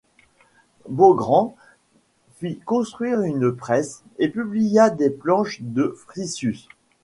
Beaugrand fit construire une presse et publia les planches de Frisius.